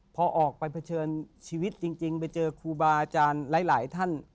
พอออกไปเผชิญชีวิตจริงไปเจอครูบาอาจารย์หลายท่าน